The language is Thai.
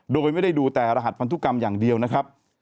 โดยไม่ได้ดูแต่รหัสพันธุกรรมอย่างเดียวนะครับ